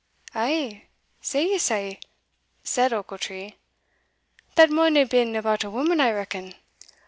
"Ay, say ye sae?" said Ochiltree; "that maun hae been about a woman, I reckon?"